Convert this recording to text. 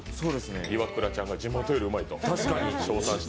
イワクラちゃんが地元よりうまいと称賛した。